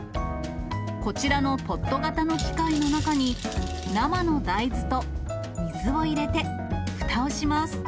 こちらのポット型の機械の中に、生の大豆と水を入れて、ふたをします。